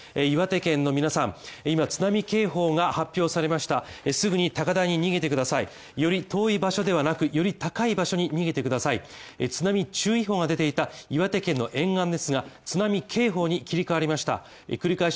岩手県の皆さん、今津波警報が発表されましたすぐに高台に逃げてください、より遠い場所ではなく、より高い場所に逃げてください津波注意報が出ていた岩手県の沿岸ですが、津波警報に切り替わりました